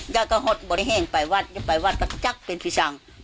ยายก็หดบ่ได้แห้งไปวัดไปวัดก็จั๊กเป็นพี่ชัง